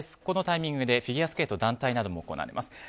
このタイミングでフィギュアスケートの団体が行われます。